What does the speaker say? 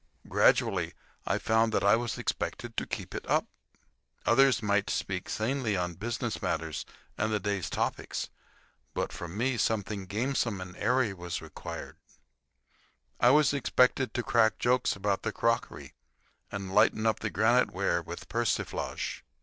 Gradually I found that I was expected to keep it up. Others might speak sanely on business matters and the day's topics, but from me something gamesome and airy was required. I was expected to crack jokes about the crockery and lighten up the granite ware with persiflage.